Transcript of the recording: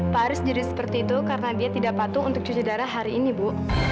pak aris jadi seperti itu karena dia tidak patuh untuk cuci darah hari ini bu